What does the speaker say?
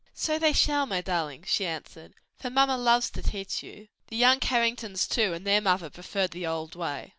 "So they shall, my darlings," she answered, "for mamma loves to teach you." The young Carringtons too, and their mother preferred the old way.